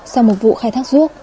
sau một vụ khai thác ruốc